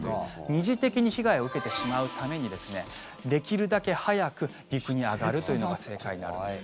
二次的に被害を受けてしまうためにできるだけ早く陸に上がるというのが正解なんです。